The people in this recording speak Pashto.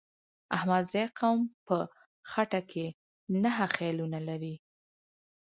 احمدزی قوم په غټه کې نهه خيلونه لري.